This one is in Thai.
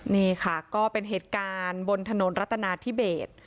นี่ค่ะก็เป็นเหตุการณ์บนถนนรัตนาธิเบส